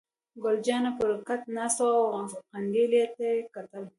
ګل جانه پر کټ ناسته وه او قندیل ته یې کتل.